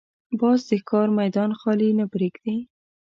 باز د ښکار میدان خالي نه پرېږدي